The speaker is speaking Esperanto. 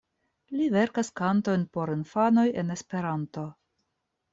Li verkas kantojn por infanoj en Esperanto.